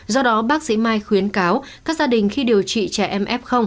do đó bác sĩ mai khuyến cáo các gia đình khi điều trị trẻ em f